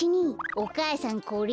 お母さんこれ。